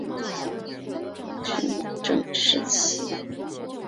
太祖洪武九年改行省为承宣布政使司。